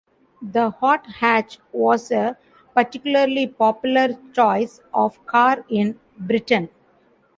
The hot hatch was a particularly popular choice of car in Britain.